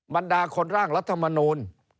บรรดาคนร่างรัฐมนูล